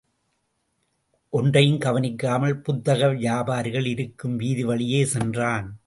ஒன்றையும் கவனிக்காமல், புத்தக வியாபாரிகள் இருக்கும் வீதிவழியே சென்றான்.